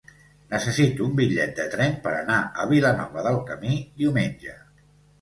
Necessito un bitllet de tren per anar a Vilanova del Camí diumenge.